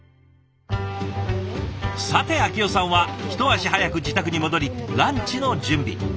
さて明代さんは一足早く自宅に戻りランチの準備。